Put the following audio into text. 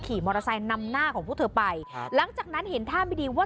ขี่มอเตอร์ไซค์นำหน้าของพวกเธอไปครับหลังจากนั้นเห็นท่าไม่ดีว่า